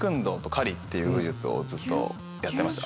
っていう武術をずっとやってました。